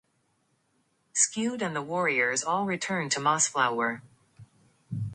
Durral is rescued and the warriors all return to Mossflower.